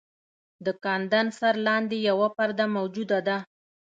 د کاندنسر لاندې یوه پرده موجوده ده.